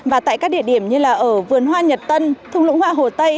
và tại các địa điểm như là ở vườn hoa nhật tân thung lũng hòa hồ tây